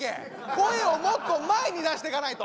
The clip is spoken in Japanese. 声をもっと前に出していかないと。